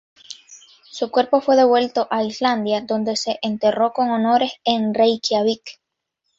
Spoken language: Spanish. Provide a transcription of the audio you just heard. Su cuerpo fue devuelto a Islandia, donde se le enterró con honores en Reikiavik.